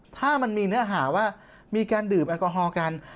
ถ้ามันมีเนื้อหาว่ามีการดื่มแอลกอฮอล์กัน